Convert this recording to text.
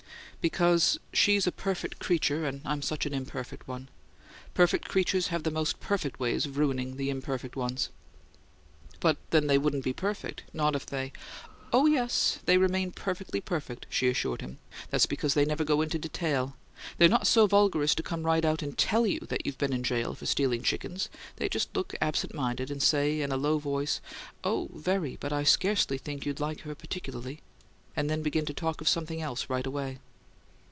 "Because she's such a perfect creature and I'm such an imperfect one. Perfect creatures have the most perfect way of ruining the imperfect ones." "But then they wouldn't be perfect. Not if they " "Oh, yes, they remain perfectly perfect," she assured him. "That's because they never go into details. They're not so vulgar as to come right out and TELL that you've been in jail for stealing chickens. They just look absent minded and say in a low voice, 'Oh, very; but I scarcely think you'd like her particularly'; and then begin to talk of something else right away."